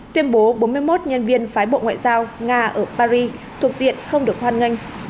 tuyên bố bốn mươi một nhân viên phái bộ ngoại giao nga ở paris thuộc diện không được hoan nghênh